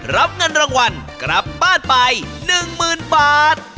รับเงินรางวัลกลับบ้านไป๑๐๐๐บาท